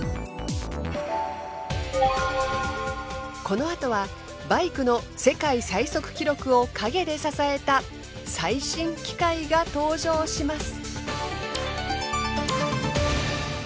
このあとはバイクの世界最速記録を陰で支えた最新機械が登場します。